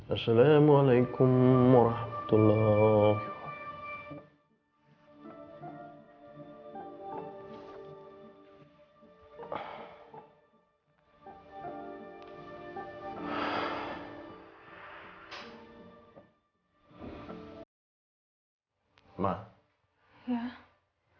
assalamualaikum warahmatullahi wabarakatuh